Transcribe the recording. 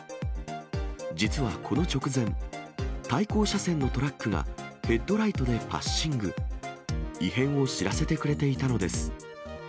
実はこの直前、対向車線のトラックがヘッドライトでパッシング、異変を知らせてくれていたのです。